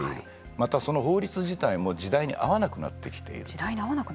また、その法律自体も時代に合わなくなっていると。